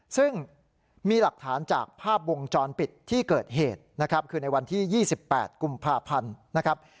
ซึ่งมีหลักฐานจากภาพวงจรปิดที่เกิดเหตุนะครับคือในวันที่๒๘กุมภาพันธ์นะครับ